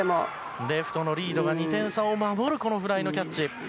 レフトのリードが２点差を守るフライのキャッチ。